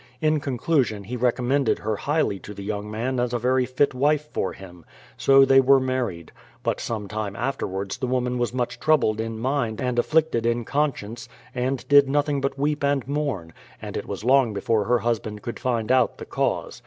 In conclusion he recommended her highly to the young man as a very fit wife for him. So they were mar ried. But some time afterwards the woman was much troubled in mind and afflicted in conscience, and did nothing but weep and mourn; and it was long before her husband could find out the cause.